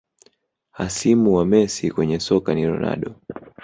Hasimu wa Messi kwenye soka ni Ronaldo